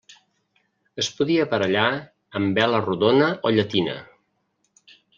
Es podia aparellar amb vela rodona o llatina.